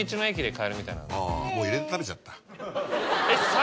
初めに入れて食べちゃった。